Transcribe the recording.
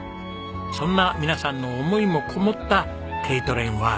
そんな皆さんの思いもこもったＫトレインワールド。